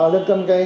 lên cầm cái